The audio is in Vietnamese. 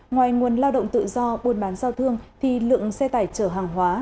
ngoài nguồn lao động tự do buôn bán giao thương thì lượng xe tải chở hàng hóa